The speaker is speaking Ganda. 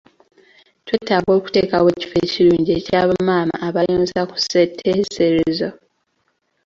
twetaaga okuteekawo ekifo ekirungi ekya bamaama abayonsa ku ssetteeserezo.